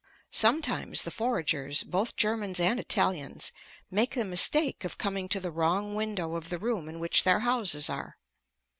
Sometimes the foragers, both Germans and Italians, make the mistake of coming to the wrong window of the room in which their houses are.